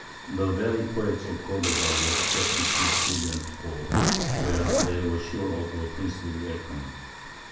The very poets of Cordova were attracted to his brilliant court, where they were sure of a princely welcome.